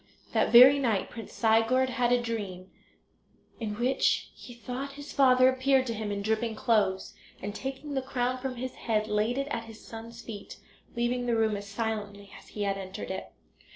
That very night Prince Sigurd had a dream, in which he thought his father appeared to him in dripping clothes, and, taking the crown from his head, laid it at his son's feet, leaving the room as silently as he had entered it.